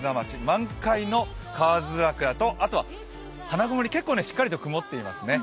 満開の河津桜とあとは花曇り、結構しっかりと曇っていますね。